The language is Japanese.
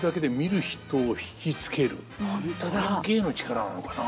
これが芸の力なのかな。